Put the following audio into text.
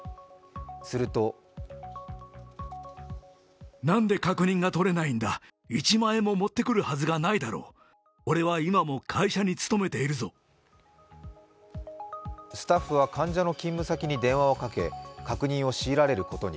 するとスタッフは患者の勤務先に電話をかけ確認を強いられることに。